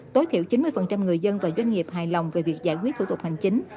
tối thiểu chín mươi người dân và doanh nghiệp hài lòng về việc giải quyết thủ tục hành chính